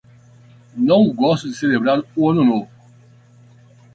Não gosto de celebrar o ano novo